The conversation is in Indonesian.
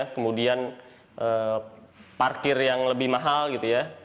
kemudian parkir yang lebih mahal gitu ya